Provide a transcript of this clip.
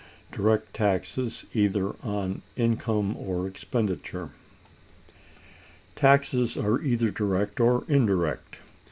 Direct taxes either on income or expenditure. Taxes are either direct or indirect.